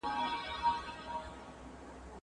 د تورو سم جوړښت د خطاطۍ بنسټ دی.